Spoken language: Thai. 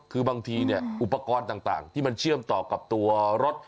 คือบางทีเนี่ยอุปกรณ์ต่างที่มันเชื่อมต่อกับตัวรถ